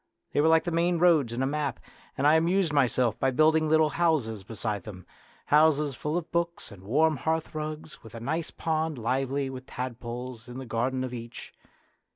They were like the main roads in a map, and I amused myself by building little houses beside them houses full of books and warm hearthrugs, and with a nice pond lively with tadpoles in the garden of each.